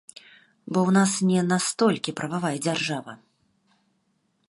Бо ў нас не настолькі прававая дзяржава.